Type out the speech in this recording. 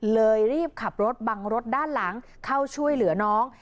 รีบขับรถบังรถด้านหลังเข้าช่วยเหลือน้อง